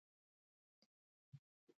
د سړیتوب نښه د نورو مرسته کول دي.